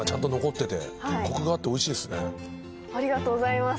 ありがとうございます！